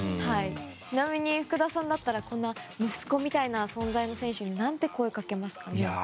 ちなみに、福田さんだったらこんな息子みたいな存在の選手に何て声をかけますかね。